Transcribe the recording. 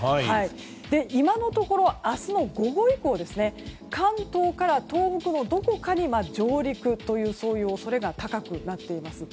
今のところ、明日の午後以降関東から東北のどこかに上陸という恐れが高くなっています。